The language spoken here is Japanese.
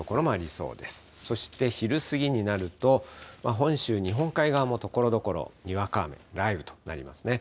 そして昼過ぎになると、本州、日本海側もところどころ、にわか雨、雷雨となりますね。